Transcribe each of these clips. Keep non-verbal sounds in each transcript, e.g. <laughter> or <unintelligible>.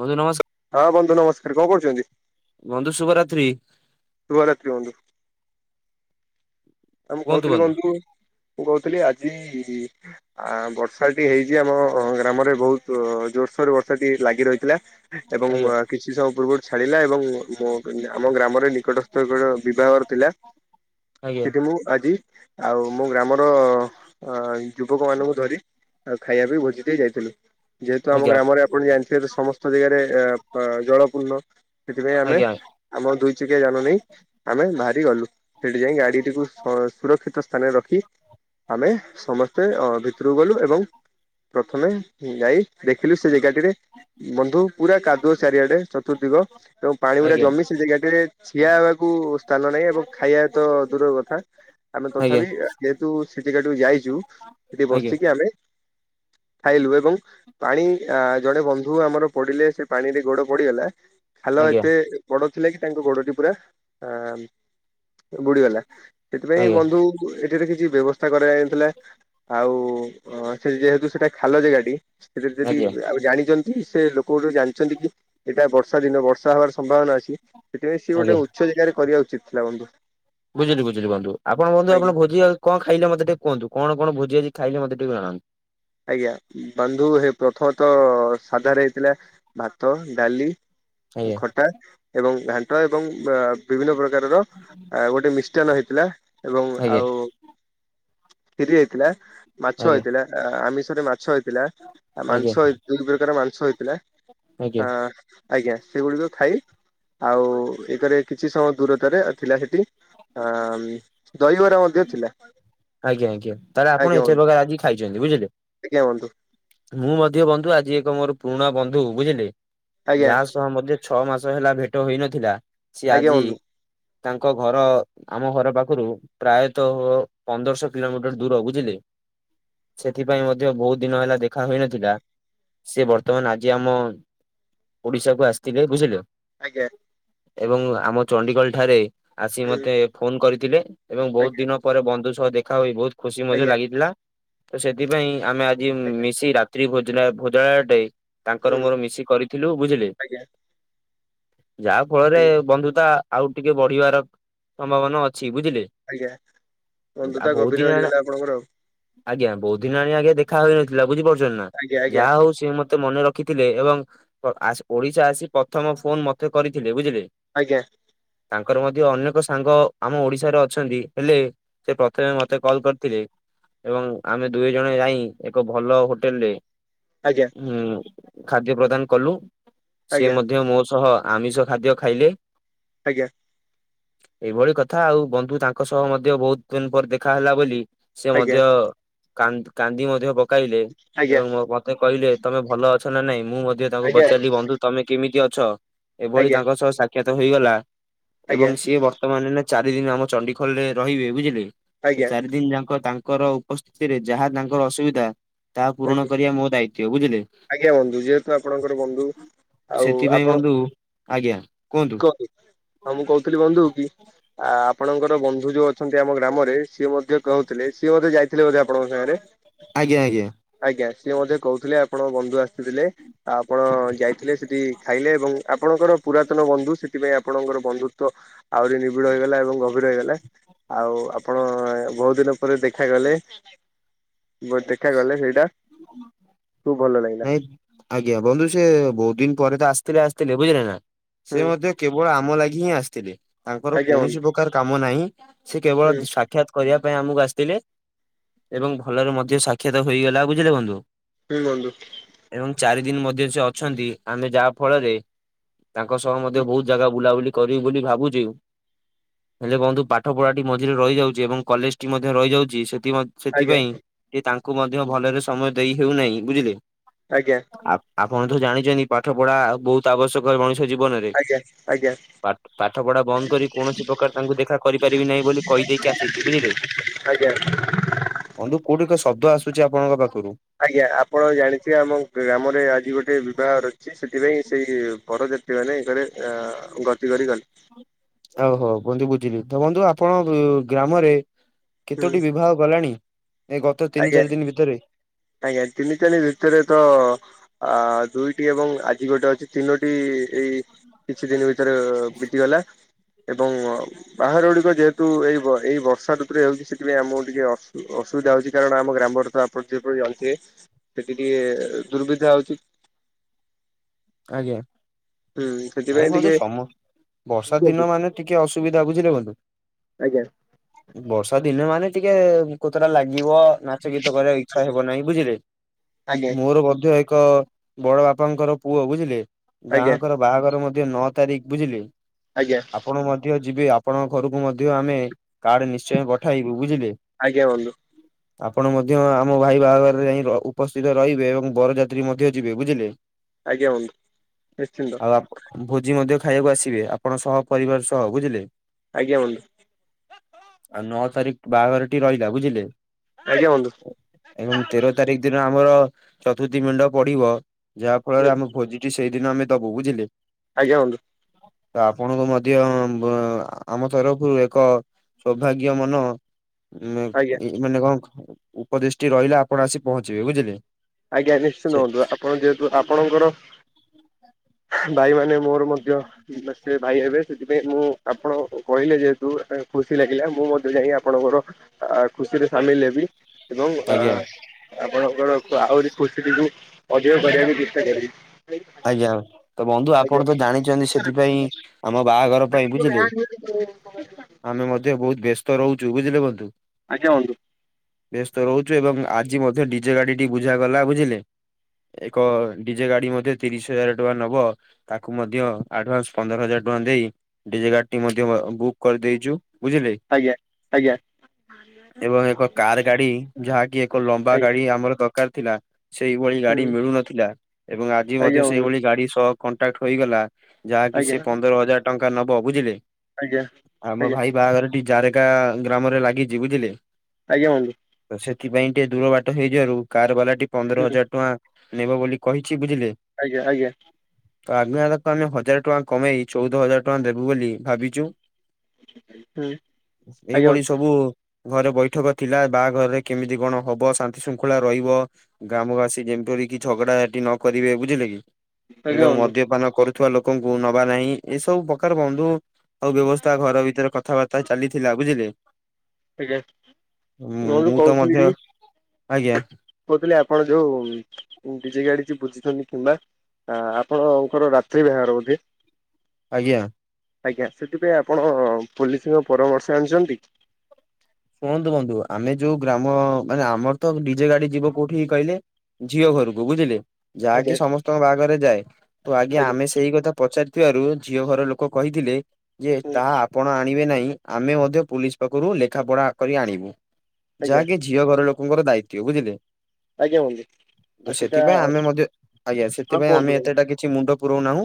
ବନ୍ଧୁ ନମସ୍କାର। ହଁ ବନ୍ଧୁ ନମସ୍କାର, କଣ କରୁଛନ୍ତି? ବନ୍ଧୁ ଶୁଭରାତ୍ରି। ଶୁଭରାତ୍ରି ବନ୍ଧୁ। ଆଉ ମୁଁ କୁହନ୍ତୁ କହୁଥିଲି ବନ୍ଧୁ କି, ମୁଁ କହୁଥିଲି ଆଜି ଆ ବର୍ଷାଟି ହେଇଛି ଆମ ଗ୍ରାମରେ ବହୁତ ଜୋରସୋରରେ ବର୍ଷା ଟି ଲାଗି ରହିଥିଲା। ଏବଂ ଆଜ୍ଞା କିଛି ସମୟ ପୂର୍ବରୁ ଛାଡିଲା ଏବଂ ମୋ ଆମ ଗ୍ରାମରେ ନିକଟସ୍ଥ ବିବାଘର ଥିଲା। ଆଜ୍ଞା ସେଠି ମୁଁ ଆଜି ଆଉ ମୋ ଗ୍ରାମର ଯୁବକ ମାନଙ୍କୁ ଧରି ଆଉ ଖାଇବା ପାଇଁ ଭୋଜି ଦେଇ ଯାଇଥିଲୁ। ଯେହେତୁ ଆମ ଆଜ୍ଞା ଗ୍ରାମରେ ଆପଣ ଜାଣିଥିବେ ତ, ସମସ୍ତ ଜାଗାରେ ଜଳପୂର୍ଣ୍ଣ ସେଥିପାଇଁ ଆମେ ଆଜ୍ଞା ଆମ ଦୁଇ ଚିକିଆ ଜାନୁ ନେଇହି ଆମେ ବାହାରି ଗଲୁ ସେଠି ଯାଇ ଗାଡି କୁ ସୁରକ୍ଷିତ ସ୍ଥାନରେ ରଖି ଆମେ ସମସ୍ତେ ଅ ଭିତରକୁ ଗଲୁ ଏବଂ ପ୍ରଥମେ ଯାଇ ଦେଖିଲୁ ସେ ଜାଗାଟିରେ ବନ୍ଧୁ ପୁରା କାଦୁଅ ଚାରିଆଡେ ଚତୁର୍ଦିକ ଏବଂ ପାଣି ଗୁଡା ଆଜ୍ଞା ଜମି ସେ ଗାଟିରେ ଛିିଆ ହେବାକୁ ସ୍ଥାନ ନାହିଁ ଏବଂ ଖାଇବା ତ ଦୂର କଥା ଆମେ ଆଜ୍ଞା ତଥାପି ଯେହେତୁ ସେଠିକାଠିକ ଯାଇଛୁ। ସେଠି ଆଜ୍ଞା ବସିକି ଆମେ ଖାଇଲୁ ଏବଂ ପାଣି ଜଣେ ବନ୍ଧୁ ଆମର ପଡିଲେ, ସେ ପାଣିରେ ଗୋଡ ପଡିଗଲା। ଖାଲ ଆଜ୍ଞା ଏତେ ବଡ ଥିଲା କି, ତାଙ୍କ ଗୋଡଟି ପୁରା ଅ ବୁଡିଗଲା। ସେଥିପାଇଁ ଆଜ୍ଞା ବନ୍ଧୁ ଏଠାରେ କିଛି ବ୍ୟବସ୍ଥା କରାଯାଇଥିଲା। ଆଉ ସେ ଯେହେତୁ ସେଟା ଖାଲ ଜାଗାଟି ସେଥିରେ ଯଦି ଆଜ୍ଞା ଆଉ ଜାଣିଛନ୍ତି ସେ ଲୋକ ଜାଣିଛନ୍ତି କି ଏଇଟା ବର୍ଷ ବର୍ଷା ଦିନ ବର୍ଷା ହବାର ସମ୍ଭାବନା ଅଛି ସେଥିପାଇଁ ସିଏ ଆଜ୍ଞା ଗୋଟେ ଉଚ୍ଚ ଜାଗାରେ କରିବା ଉଚିତ ଥିଲା ବନ୍ଧୁ ବୁଝିଲି ବୁଝିଲି ବଧୁପଣନ୍ଧୁ ଆଜ୍ଞା ଆପଣ ଭୋଜିଉ କଣ ଖାଇଲେ ମତେ ଟେ କୁହନ୍ତୁ କଣ କଣ ଭୋଜି ଖାଇଲେ ମତେ ଟେ ଜାଣୁ ଆଜ୍ଞା ବନ୍ଧୁ ପ୍ରଥମତଃ ସାଧାରେ ହେଇଥିଲା। ଭାତ ଡାଲି ଆଜ୍ଞା ଖଟା ଏବଂ ଘାଣ୍ଟ ଏବଂ ବିଭିନ୍ନ ପ୍ରକାରର ଗୋଟେ ମିଷ୍ଟାନ ହେଇଥିଲା ଏବଂ ଆଜ୍ଞା ଆଉ କିରି ହେଇଥିଲା ମାଛ ଆଜ୍ଞା ହେଇଥିଲା ଆମିଷରେ ମାଛଇଥିଲା। ଥିଲା ଆଜ୍ଞା ମାଂସଇ ଦୁଇ ପ୍ରକାର ମାଂସ ହେଇଥିଲା ଆଜ୍ଞା ଆ ଆଜ୍ଞା ସେଗୁଡିକ ଖାଇ ଆଉ ଏକରେ କିଛି ସମୟ ଦୂରତରେ ଥିଲା ସେଇଠି ଦୈିବର ଆଜ୍ଞା ଆଜ୍ଞା ତାହେଲେ ଆପଣ ଏତେ ପ୍ରକାର ଆଜି ଖାଇଛନ୍ତି ବୁଝିଲେ। ଆଜଞାୁନ୍ତୁ <unintelligible> ମୁଁ ମଧ୍ୟ ବନ୍ଧୁ ଆଜି ଏକ ମୋର ପୁରୁଣା ବନ୍ଧୁ ବୁଝିଲେ ଆଜ୍ଞା ଯାହା ସହ ମଧ୍ୟ ଛଅ ମାସ ହେଲା ଭେଟ ହୋଇନଥିଲା ସିଏ ଆଜ୍ଞା ଆଜି ବନ୍ଧୁ ତାଙ୍କ ଘର ଆମ ଘର ପାଖରୁ ପ୍ରାୟତଃ ପନ୍ଦରଶହ କିଲୋମିଟର ଦୂର ବୁଝିଲେ। ସେଥିପାଇଁ ମଧ୍ୟ ବହୁତ ଦିନ ହେଲା ଦେଖା ହୋଇନଥିଲା। ସେ ବର୍ତ୍ତମାନ ଆଜି ଆମ ଓଡିଶା କୁ ଆସିଥିଲେ ବୁଝିଲ। ଆଜ୍ଞା! ଏବଂ ଆମ ଚଣ୍ଡିଗଲ ଠାରେ ଆସି ହୁଁ ମତେ ଫୋନ କରିଥିଲେ ଏବଂ ବହୁତ ଆଜ୍ଞା ଦିନ ପରେ ବନ୍ଧୁ ସହ ଦେଖା ହ ବହୁତ ଖୁସି ମଧ୍ୟ ଆଜ୍ଞା ଲାଗିଥିଲା। ତ ସେଥିପାଇଁ ଆମେ ଆଜି ଆଜ୍ଞା ମିଶି ରାତି ଭ ଭୋଜଳୟଟେ ହୁଁ ତାଙ୍କର ମୋର ମିଶି କରିଥିଲୁ ବୁଝିଲି ଆଜ୍ଞା ଯାହା ଫଳରେ ଆଜ୍ଞା ବନ୍ଧୁତା ଆଉ ଟିକେ ବଢିବାର ସମ୍ଭାବନା ଅଛି ବୁଝିଲେ ଆଜ୍ଞା ଆଉ ବନ୍ଧୁତା ବହୁତ ଗଭୀର ଦିନ ଆଣି ହେଇଗଲା ଆପଣଙ୍କର ଆଉ ଆଜ୍ଞା ବହୁତ ଦିନ ଆଣି ଆଜ୍ଞା ଦେଖାହନଥିଲା ବୁଝିପାରୁଛଛନ୍ତି ନା ଆଜ୍ଞା ଆଜ୍ଞା ଯାହା ହଉଛି ମତେ ମତେ ମନେ ରଖିଥିଲେ ଏବଂ ଓଡିଶା ଆସି ପ୍ରଥମ ଫୋନ ମତେ କରିଥିଲେ ବୁଝିଲେ ଆଜ୍ଞା ତାଙ୍କର ମଧ୍ୟ ଅନେକ ସାଙ୍ଗ ଆମ ଓଡିଶାର ହେଲେ ସେ ପ୍ରଥମେ ମତେ କଲ କରିଥିଲେ। ଏବଂ ଆମେ ଦୁଇ ଜଣ ଯାଇ ଏକ ଭଲ ହୋଟେଲ ରେ ଆଜ୍ଞା ହଁ ଖାଦ୍ୟ ପ୍ରଦାନ କଲୁ ସେି ଆଜ୍ଞା ମଧ୍ୟ ମୋ ସହ ଆମିଷ ଖାଦ୍ୟ ଖାଇଲେ ଆଜ୍ଞା ଏଇଭଳି କଥା ଆଉ ବନ୍ଧୁ ତାଙ୍କ ସହ ମଧ୍ୟ ବହୁତ ଦିନ ପରେ ଦେଖା ହେଲା ବୋଲି ସେ ଆଜ୍ଞା ଆଜ୍ଞା କାନ୍ଦି ମଧ୍ୟ ପକଲେ ଆଜ୍ଞା ଏବଂ ମତେ କହିଲେ ତମେ ଭଲ ଅଛ ନା ନାଇଁ ମୁଁ ମଧ୍ୟ ତାଙ୍କୁ ଆଜ୍ଞା ପଚାରିଲି ବନ୍ଧୁ ତମେ କେମିତି ଅଛ ଏଭଳି ତାଙ୍କ ସହ ସାକ୍ଷାତ ହେଇଗଲା ଆଜ୍ଞା ଆଜ୍ଞା ଏବଂ ସିଏ ବର୍ ବର୍ତ୍ତ ମ ନା ଚାରି ଦିନ ଆମ ଚଡିଖୋଲରେ ରହିବେ ବୁଝିଲେ ତ ଆଜ୍ଞା ଚାରି ଦିନ ଯାକ ତାଙ୍କର ସ୍ଥିତିରେ ଯାହା ତାଙ୍କର ଅସୁବିଧା ତାହା ପୂରଣ କରିବା ମୋ ଦାୟିତଵ ବୁଝିଲେ ଆଜ୍ଞା ବନ୍ଧୁ ଯେହେତୁ ଆପଣଙ୍କର ବନ୍ଧୁ ଆଉ ସେଥିପାଇଁ ଆପଣ ବନ୍ଧୁ କୁହନ୍ତୁ ହଁ ମୁଁ କହୁଥିଲି ବନ୍ଧୁ କି ଆ ଆପଣଙ୍କର ବନ୍ଧୁ ଯୋଉ ଅଛନ୍ତି ଆମ ଗ୍ରାମରେ ସିଏ ମଧ୍ୟ କହୁଥିଲେ ସିଏ ବୋଧେ ଯାଇଥିଲେ ବୋଧେ ଆପଣଙ୍କ ସାଙ୍ଗରେ ଆଜ୍ଞା ଆଜ୍ଞା। ଆଜ୍ଞା ସିଏ ମଧ୍ୟ କହୁଥିଲେ ଆପଣଙ୍କ ବନ୍ଧୁ ଆସିଥିଲେ ଆପଣ ଯାଇଥିଲେ ସେଠି ଖାଇଲେ ଏବଂ ଆପଣଙ୍କର ପୁରାତନ ବନ୍ଧୁ ସେଥିପାଇଁ ଆପଣଙ୍କର ବନ୍ଧୁତଵ ଆହୁରି ନିବିଡ ହେଇଗଲା ଏବଂ ଗଭୀର ହେଇଗଲେ ଆଉ ଆପଣ ବହୁତ ଦିନ ପରେ ଦେଖାଗଲେ ବହୁତ ଦେଖା ଗଲେ ସେଇଟା ଖୁବ୍ ଭଲ ଲାଗିଲା। ନାଇ <inaudible> ଆଜ୍ଞା ବନ୍ଧୁ ସେ ବହୁତ ଦିନ ପରେ ତ ଆସିଥିଲେ ଆସିଥିଲେ ବୁଝିଲେ ନା ହୁଁ ସେ ମଧ୍ୟ କେବଳ ଆମ ଲାଗି ହିଁ ଆସିଥିଲେ ତାଙ୍କର ଆଜ୍ଞା ବନ୍ଧୁ କୌଣସି ପ୍ରକାର କାମ ନାହିଁ ସେ କେବଳ ହୁଁ ସାକ୍ଷାତ କରିବା ପାଇଁ ଆମକୁ ଆସିଥିଲେ ଏବଂ ଭଲରେ ମଧ୍ୟ ସାକ୍ଷାତ ହୋଇଗଲା ବୁଝିଲେ ବନ୍ଧୁ ହୁଁ ବୁ <inaudible> ଏବଂ ଚାରି ଦିନ ମଧ୍ୟ ସେ ଅଛନ୍ତି ଆମେ ଯାହା ଫଳରେ ତାଙ୍କ ସହ ମଧ୍ୟ ବହୁତ ଜାଗା ବୁଲାବୁଲି କରିବି ବୋଲି ଭାବୁଛି ହେଲେ କୁହନ୍ତୁ ପାଠ ପଢା ଟି ମଝିରେ ରହିଯାଉଛି ଏବଂ କଲେଜ ଟି ମଧ୍ୟ ରହିଯାଉଛି ସେଠ ଆଜ୍ଞା ସେଥିପାଇଁ ଯେ ତାଙ୍କୁ ମଧ୍ୟ ଭଲରେ ସମୟ ଦେଇ ହେଉନାହିଁ ଆଜ୍ଞା ଆ ଆପଣ ତ ଜାଣିଛନ୍ତି ପାଠ ପଢା ବହୁତ ଆବଶ୍ୟକ ମଣିଷ ଜୀବନରେ ଆଜ୍ଞା ଆଜ୍ଞା ପାଠ ପଢା ବନ୍ଦ କରି କୌଣସି ପ୍ରକାର ତାଙ୍କୁ ଦେଖା କରିପାରିବି ନାହିଁ ବୋଲି କହିଦେଇକି ଆସିଛି ବୁଝିଲେ ଆଜ୍ଞା ବନ୍ଧୁ କୋଉଠି କ ଶବ୍ଦ ଆସୁଛି ଆପଣଙ୍କ ପାଖରୁ ଆଜ୍ଞା ଆପଣ ଜାଣିଛେ ଆମ ଗ୍ରାମରେ ଆଜି ଗୋଟେ ବିବାହ ଅଛି ସେଥିପାଇଁ ସେଇ ପରଜାତ ସେମାନେ ଏଇ ଅ ଗତି କରି ଗଲେ ଓଉ ହଉ ବନ୍ଧୁ ବୁଝିଲି ତ ବନ୍ଧୁ ଆପଣ ଗ୍ରାମରେ ହୁଁ। କେତୋଟି ବିବାହ ଗଲାଣି ଏ ଗତ ତିନି ଆଜ୍ଞା ଚାରି ଦିନ ଭିତରେ ଆଜ୍ଞା ତିନି ଚାନି ଭିତରେ ତ ଆ ଦୁଇଟି ଏବଂ ଆଜି ଗୋଟେ ଅଛି ତିନୋଟି ଏଇ କିଛି ଦିନ ଭିତରେ ବିତିଗଲା ଏବଂ ବାହାର ଗୁଡିକ ଯେହେତୁ ଏଇ ବର୍ଷା ଋତୁରେ ହେଉଛି ସେଥିପାଇଁ ଆମକୁ ଟିକେ ଅସୁବିଧା ହଉଛି କାରଣ ଆମ ଗ୍ରାମର ଆପଣ ଯେପ ଯାଉଥେ ସେଠି ଟିକେ ଦୁର୍ବିଧା ହଉଛି ଆଜ୍ଞା ହୁଁ ସେଥିପାଇଁ ଭାଇ ଭଲ ତୁ ଟିକେ ସମ ବର୍ଷା ଦିନ ମାନେ ଟିକେ ଅସୁବିଧା ବୁଝିଲେୁନ୍ତୁ ଆଜ୍ଞା ବର୍ଷା ଦିନେ ମାନେ ଟିକେ କେତେଟା ଲାଗିବ ନାଚ ଗୀତ କରିବା ଇଚ୍ଛା ହେବ ନାହିଁ ବୁଝିଲେ ଆଜ୍ଞା ମୋର ମଧ୍ୟ ବଡ ବାପାଙ୍କର ପୁଅ ବୁଝିଲେ ଆଜ୍ଞା ଯାହାଙ୍କର ବାହାଘର ମଧ୍ୟ ନଅ ତାରିଖ ବୁଝିଲେ ଆଜ୍ଞା ଆପଣ ମଧ୍ୟ ଯିବେ ଆପଣଙ୍କ ଘରକୁ ମଧ୍ୟ ଆମେ କାର୍ଡ ନିଶ୍ଚୟ ପଠେଇବୁ ବୁଝିଲେ ଆଜେ ବନ୍ତ ହଁ ଆପଣ ମଧ୍ୟ ଆମ ଭାଇ ବାହାଘରରେ ଯାଇ ଉପସ୍ଥିତ ରହିବେ ଏବଂ ବରଯାତ୍ରୀ ମଧ୍ୟ ଯିବେ ବୁଝିଲେ ଆଜ୍ଞା ହନ୍ତ ନିଶ୍ଚିନ୍ତ ଆଉ ଭୋଜି ମଧ୍ୟ ଖାଇବାକୁ ଆସିବେ ଆପଣ ସହ ପରିବାର ସହ ବୁଝିଲେ ଆଜ୍ଞା ବନ୍ତୁ ଆଉ ନଅ ତାରିଖ ବାହାଘର ଟେ ରହିଲା ବୁଝିଲେ ଆଜ୍ଞାୁ ଏବଂ ତେର ତାରିଖ ଦିନ ଆମର ଚତୁର୍ଥୀ ମେଣ୍ଡ ପଡିବ ଯାହା ଫଳରେ ଆମ ଭୋଜି ସେଇଦିନ ଆମେ ଦବୁ ବୁଝିଲେ ଆଜ୍ଞା ହନ୍ତୁ ତ ଆପଣଙ୍କୁ ମଧ୍ୟ ଆମ ତରଫରୁ ଏକ ସୌଭାଗ୍ୟ ମନ ଆଜ୍ଞା ମାନେ କଣ ଉପଦେଶଟି ରହିଲେ ଆପଣ ଆସି ପହଞ୍ଚିବେ ବୁଝିଲେ ଆଜ୍ଞା ନିଶ୍ଚିତ ସେ ହୁଅନ୍ତୁ ଆପଣ ଯେହେତୁ ଆପଣଙ୍କର ଭାଇ ମାନେ ମୋର ମଧ୍ୟ ଦଇ ମାସରେ ଭାଇ ହେବେ ସେଥିପାଇଁ ମୁଁ ଆପଣ କହିଲେ ଯେହେତୁ ଖୁସି ଲାଗିଲା ମୁଁ ମଧ୍ୟ ଯାଇ ଆପଣଙ୍କର ଖୁସିରେ ସାମିଲ ହେବି ଏବଂ ଅ ଆଜ୍ଞା ଆପଣଙ୍କର ଆହୁରି ଖୁସିଟିକୁୁ ଅଧିକ କରିବାକୁ ଚେଷ୍ଟା କରିବ। ଆଜ୍ଞା ତ ବନ୍ଧୁ ଆପଣ ତ ଜାଣିଛନ୍ତି ସେଥିପାଇଁ ଆମ ବାହାଘର ପାଇଁ ବୁଝିଲେ <unintelligible> ଆମେ ମଧ୍ୟ ବହୁତ ବ୍ୟସ୍ତ ରହୁଛୁ ବୁଝିଲେ ବନ୍ଧୁ। ଆଜ୍ଞା ବନ୍ଧୁ। ବ୍ୟସ୍ତ ରହୁଛୁ ଏବଂ ଆଜି ମଧ୍ୟ ଡିଜେ ଗାଡିଟି ବୁଝା ଗଲା ବୁଝିଲେ। ଏକ ଡିଜେ ଗାଡି ମଧ୍ୟ ତିରିଶ ହଜାର ଟଙ୍କା ନବ ତାକୁ ମଧ୍ୟ ଆଡଭାନ୍ସ ପନ୍ଦର ହଜାର ଟଙ୍କା ଦେଇ ଡିଜେ ଗାଡିଟି ମଧ୍ୟ ବୁକ୍ କରିଦେଇଛୁ। ବୁଝିଲେ। ଆଜ୍ଞା ଆଜ୍ଞା। ଏବଂ ଏକ କାର ଗାଡି ଯାହାକି ଏକ ଲମ୍ବା ଆଜ୍ଞା ଗାଡି ଆମର ଦ କାର ଥିଲା। ସେଇଭଳି ଗାଡି ହୁଁ ମିଳୁ ନଥିଲା ଏବଂ ଆଜି ମ ଆଜ୍ଞା ବନ୍ଧୁ ଗାଡି ସହ କଣ୍ଟାକ୍ଟ ହେଇଗଲା ଯାହାକି ଆଜ୍ଞା ସେ ପନ୍ଦର ହଜାର ଟଙ୍କା ନବ ବୁଝିଲେ। ଆଜ୍ଞା ଆମ ଆଜ୍ଞା ଭାଇ ବାହାଘରଟି ଜାରେକା ଗ୍ରାମରେ ଲାଗିଛି ବୁଝିଲେ। ଆଜ୍ଞା ବନ୍ଧୁ। ତ ସେଥିପାଇଁ ଟିକେ ଦୂର ବାଟ ହେଇଯିବାରୁ କାର ବାଲା ଟି ପନ୍ଦର ହୁଁ ହଜାର ଟଙ୍କା ନେବ ବୋଲି କହିଛି ବୁଝିଲେ। ଆଜ୍ଞା ଆଜ୍ଞା। ତ ଆଗକୁ ଆମେ ହଜାର ଟଙ୍କା କମେଇକି ଚୋଉଦ ହଜାର ଟଙ୍କା ଦେବୁ ବୋଲି ଭାବିଛୁ। ଆଜ୍ଞା ଏଇଭଳି ସବୁ ଘରେ ବୈଠକ ଥିଲା ବାହାଘରରେ କେମିତି କଣ ହବ ଶାନ୍ତି ଶୃଙ୍ଖଳା ରହିବ ଗ୍ରାମବାସୀ ଯେମପରିକି ଝଗଡା ଝାଟି ନ କରିବେ ବୁଝିଲେ କି। ଆଜ୍ଞା ଏବଂ ବନ୍ଧୁ ମଦ୍ୟପାନ କରୁଥିବା ଲୋକଙ୍କୁ ନବା ନାହିଁ। ଏସବୁ ପ୍ରକାର ବନ୍ଧୁ ଆଉ ବ୍ୟବସ୍ଥା ଘର ଭିତରେ କଥାବାର୍ତ୍ତା ଚାଲିଥିଲା ବୁଝିଲେ। ଆଜ୍ଞା ହଁ ଯୋଉ ମୁଁ ତ କହୁଥିଲି ମଧ୍ୟ ଆଜ୍ଞା କହୁଥିଲି ଆପଣ ଯୋଉ ଡିଜେ ଗାଡି ବୁଝିଛନ୍ତି କିମ୍ବା ଆ ଆପଣଙ୍କର ରାତ୍ରି ବାହାଘର ବୋଧେ? ଆଜ୍ଞା। ଆଜ୍ଞା ସେଥିପାଇଁ ଆପଣ ପୋଲିସଙ୍କ ପରାମର୍ଶ ଆଣିଛନ୍ତି? ଶୁଣନ୍ତୁ ବନ୍ଧୁ ଆମେ ଯୋଉ ଗ୍ରାମ ମାନେ ଆମର ତ ଡିଜେ ଗାଡି ଯିବ କୋଉଠିକି କହିଲେ ଝିଅ ଘରକୁ ବୁଝିଲେ ଯାହାକି ଆଜ୍ଞା ସମସ୍ତଙ୍କ ବାହାଘରେ ଯାଏ ତ ଆଜ୍ଞା ଆମେ ସେଇ କଥା ପଚାରିଥିବାରୁ ଝିଅ ଘର ଲୋକ କହିଥିଲେ ଯେ ହୁଁ ତାହା ପଣ ଆଣିବେ ନାହିଁ। ଆମେ ମଧ୍ୟ ପୋଲିସ ପାଖରୁ ଲେଖା ପଢା କରି ଆଣିବୁ। ଆଜ୍ଞା ଯାହାକି ଝିଅ ଘର ଲୋକଙ୍କର ଦାୟିତ୍ୱ ବୁଝିଲେ। ଆଜ୍ଞା ବନ୍ଧୁ ତ ଆଉ ସେଟା ସେଥିପାଇଁ ଆମେ ମଧ୍ୟ ଆଜ୍ଞା ହଁ ସେଥିପାଇଁ ଆମେ କୁହନ୍ତୁ ବନ୍ଧୁ ଏତେଟା କିଛି ମୁଣ୍ଡ ପୁରୋଉନାହୁଁ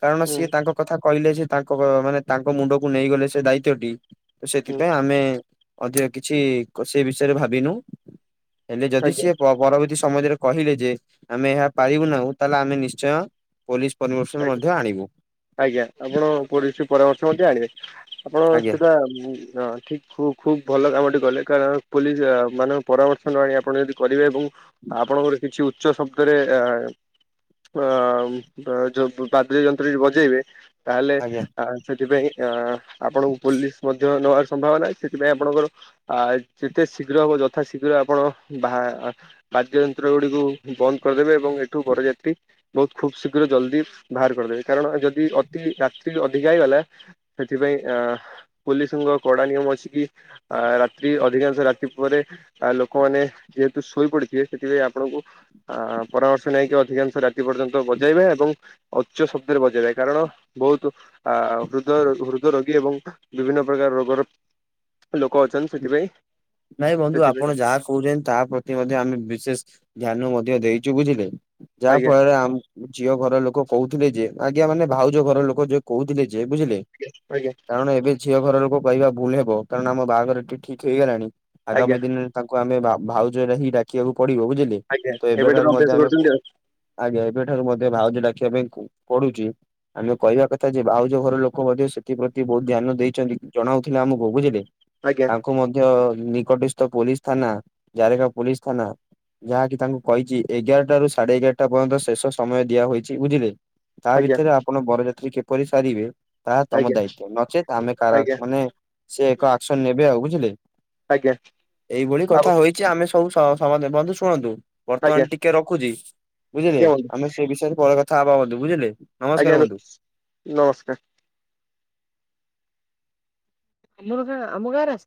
କାରଣ ସିଏ ହୁଁ ତାଙ୍କ କଥା କହିଲେ ସେ ତାଙ୍କ ମାନେ ତାଙ୍କ ମୁଣ୍ଡକୁ ନେଇଗଲେ ସେ ଦାୟିତ୍ୱ ଟି ତ ହୁଁ ସେଥିପାଇଁ ଆମେ ଅଧିକ କିଛି ସେ ବିଷୟରେ ଭାବିନୁ। ହେଲେ ଯଦି ଆଜ୍ଞା ସିଏ ପ ପରବର୍ତ୍ତୀ ସମୟରେ କହିଲେ ଯେ ଆମେ ଏହା ପାରିବୁ ନାହୁଁ। ତାହେଲେ ଆମେ ନିଶ୍ଚୟ ପୋଲିସ ପରିମିର୍ଶନ ଆଜ୍ଞା ମଧ୍ୟ ଆଣିବୁ। ଆଜ୍ଞା ଆପଣ ପୋଲିସ ପରାମର୍ଶ ମଧ୍ୟ ଆଣିବେ ଆପଣ ଆଜ୍ଞା। ସେଟା ମୁ ଅ ଠିକ ଖୁ ଖୁବ ଭଲ କାମଟେ କଲେ କାରଣ ପୋଲିସ ମାନଙ୍କ ପରାମର୍ଶ ନ ଆଣି ଆପଣ ଯଦି କରିବେ ଏବଂ ଆପଣଙ୍କର କିଛି ଉଚ୍ଚ ଶବ୍ଦରେ ଅ ଅ ଯୋଉ ବାଦ୍ୟ ଯନ୍ତ୍ର ଯ ବଜେଇବେ ତାହେଲେ ଆଜ୍ଞା। ଆ ସେଥିପାଇଁ ଅ ଆପଣଙ୍କୁ ପୋଲିସ ମଧ୍ୟ ନବାର ସମ୍ଭାବନା ସେଥିପାଇଁ ଆପଣଙ୍କର ଯେତେ ଶୀଘ୍ର ହବ ଯଥା ଶୀଘ୍ର ଆପଣ ବା ବାଦ୍ୟ ଯନ୍ତ୍ର ଗୁଡିକୁ ବନ୍ଦ କରିଦେବେ ଏବଂ ଏଠୁ ବରଯାତ୍ରୀ ବହୁତ ଖୁବ ଶୀ୍ର ଘ୍ର ଜଲଦି ବାହାର କରିଦେବେ କାରଣ ଯଦି ଅତି ରାତ୍ରି ଅଧିକା ହେଇଗଲା ସେଥିପାଇଁ ଅ ପୋଲିସଙ୍କ କଡା ନିୟମ ଅଛି କି ଆ ରାତ୍ରି ଅଧିକାଂଶ ରାତି ପରେ ଆ ଲୋକମାନେ ଯେହେତୁ ଶୋଇପଡିଥିବେ ସେଥିପାଇଁ ଆପଣଙ୍କୁ ଅ ପରାମର୍ଶ ନେଇକି ଅଧିକାଂଶ ରାତି ପର୍ଯ୍ୟନ୍ତ ବଜେଇବେ ଏବଂ ଉଚ୍ଚ ଶବ୍ଦରେ ବଜେଇବେ କାରଣ ବହୁତ ଆ ହୃଦୟ ହୃଦ ରୋଗୀ ଏବଂ ବିଭିନ୍ନ ପ୍ରକାର ରୋଗର ଲୋକ ଅନ୍ ସେଥିପାଇଁ ନାଇଁ ବନ୍ଧୁ ଆପଣ ସେଥିପାଇଁ ଯାହା ତା ପ୍ରତି ମଧ୍ୟ ଆମେ ବିଶେଷ ଧ୍ୟାନ ମଧ୍ୟ ଦେଇ ଚୁକୁଥିଲେ ଯାହା ଆଜ୍ଞା ଫଳରେ ଝିଅ ଘର ଲୋକ କହୁଥିଲେ ଯେ ଆଜ୍ଞା ମାନେ ଭାଉଜ ଘର ଲୋକ ଯିଉ କହୁଥିଲେ ଯେ ବୁଝିଲେ। ଆଜ୍ଞା ଆଜ୍ଞା। କାରଣ ଏବେ ଝିଅ ଘର ଲୋକ କହିବା ଭୁଲ ହେବ କାରଣ ଆମ ବାହାଘର ଟିକେ ଠିକ୍ ହେଇଗଲାଣି ଆଜ୍ଞା ଆଗାମୀ ଦିନରେ ତାଙ୍କୁ ଆମେ ଭାଉଜ ରେ ହିଁ ଡାକିବାକୁ ପଡିବ ବୁଝିଲେ। ଆଜ୍ଞା ତ ଏବେଠାରୁ ମଧ୍ୟ ଅଭ୍ୟାସ ଆମେ କରୁଛନ୍ତି ଆଉ। ଆଜ୍ଞା ଏବେ ଠାରୁ ମଧ୍ୟ ଭାଉଜ ଡକିବା ପାଇଁ ପଡୁଛି। ଆମେ କହିବା କଥା ଯେ ଭାଉଜ ଘର ଲୋକ ମଧ୍ୟ ସେଥିପ୍ରତି ବହୁତ ଧ୍ୟାନ ଦେଇଛନ୍ତି ଜଣାଉଥିଲେ ଆମକୁ ବୁଝିଲେ। ଆଜ୍ଞା। ତାଙ୍କୁ ମଧ୍ୟ ନିକଟସ୍ଥ ପୋଲିସ ଥାନା ଜାରେକା ପୋଲିସ ଥାନା। ଯାହାକି ତାଙ୍କୁ କହିଛି ଏଗାରଟ ରୁ ସାଢେ ଏଗାରଟା ପର୍ଯ୍ୟନ୍ତ ଶେଷ ସମୟ ଦିଆହଇଛି ବୁଝିଲେ। ତା ଆଜ୍ଞା ଭିତରେ ଆପଣ ବରଯାତ୍ରୀ କିପରି ସାରିବେ ତାହା ତମ ଆଜ୍ଞା ଦାୟିତଵ ନଚେତ୍ ଆମେ କାର ଆଜ୍ଞା ମାନେ ସେ ଏକ ଆକ୍ସନ ନେବେ ଆଉ। ବୁଝ ଆଜ୍ଞା ଏଇଭଳି କଥା ଆଉ ହେଛି ଆମେ ସବୁ ବନ୍ଧୁ ଶୁଣନ୍ତୁ। ବର୍ତ୍ତମାନ ଆଜ୍ଞା ଟିକେ ରଖୁଛି ବୁଝିଲେ ଆଜ୍ଞା ବନ୍ଧୁ ଆମେ ସେ ବିଷୟରେ ପରେ କଥା ହେବାଧୁ ବୁଝିଲେ। ଆଜ୍ଞା ନମସ୍କାର ବନ୍ଧୁ। ନମସ୍କାର। ଅମଘା ଅମୁଘା ର